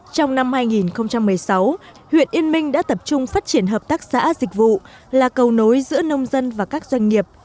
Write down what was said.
trong năm hai nghìn một mươi sáu huyện yên minh đã tập trung phát triển hợp tác xã dịch vụ là cầu nối giữa nông dân và các doanh nghiệp